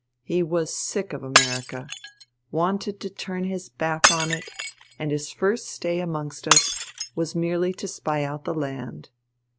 He was sick of America, wanted to turn his back on it, and his first stay amongst us was merely to spy out the land.